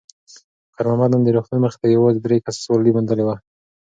خیر محمد نن د روغتون مخې ته یوازې درې کسه سوارلي موندلې وه.